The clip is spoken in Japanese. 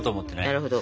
なるほど。